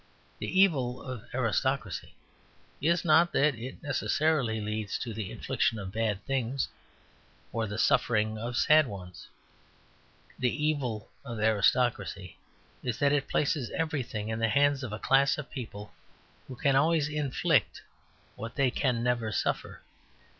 The evil of aristocracy is not that it necessarily leads to the infliction of bad things or the suffering of sad ones; the evil of aristocracy is that it places everything in the hands of a class of people who can always inflict what they can never suffer.